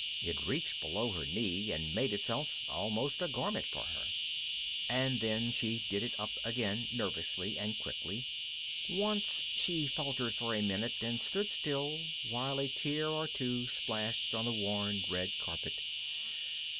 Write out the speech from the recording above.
It reached below her knee and made itself almost a garment for her. And then she did it up again nervously and quickly. Once she faltered for a minute and stood still while a tear or two splashed on the worn red carpet.